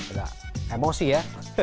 udah emosi ya